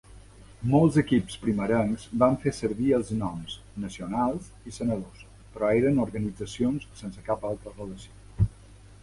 Molts equips primerencs van fer servir els noms "Nacionals" i "Senadors", però eren organitzacions sense cap altra relació.